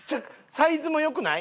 サイズも良くない？